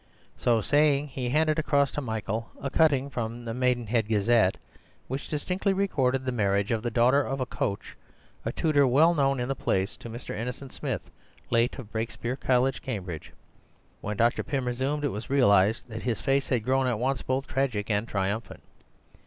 So saying, he handed across to Michael a cutting from the "Maidenhead Gazette" which distinctly recorded the marriage of the daughter of a "coach," a tutor well known in the place, to Mr. Innocent Smith, late of Brakespeare College, Cambridge. When Dr. Pym resumed it was realized that his face had grown at once both tragic and triumphant.